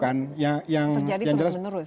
karena ini memang terjadi terus menerus